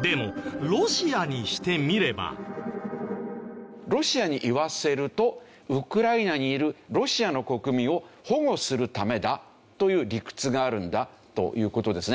でもロシアに言わせるとウクライナにいるロシアの国民を保護するためだという理屈があるんだという事ですね。